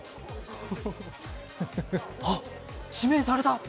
あっ、指名された！